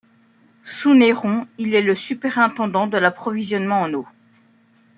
Sous Néron, il est le superintendant de l'approvisionnement en eau.